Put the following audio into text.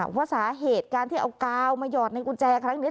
ว่าสาเหตุการที่เอากาวมาหยอดในกุญแจครั้งนี้